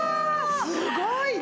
すごいね！